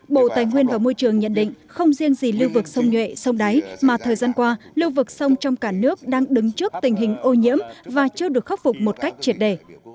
bộ tài nguyên và môi trường nhận định không riêng gì lưu vực sông nhuệ sông đáy mà thời gian qua lưu vực sông trong cả nước đang đứng trước tình hình ô nhiễm và chưa được khắc phục một cách triệt đề